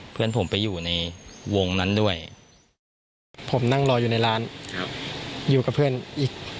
เพื่อนผมไปอยู่ในวงนั้นด้วยผมนั่งรออยู่ในร้านอยู่กับเพื่อนอีก